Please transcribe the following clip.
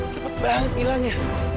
cepet banget hilangnya